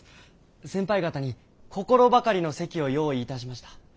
先輩方に心ばかりの席を用意いたしました。